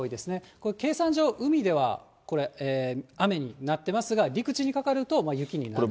これ、計算上、海ではこれ、雨になってますが、陸地にかかると雪になると。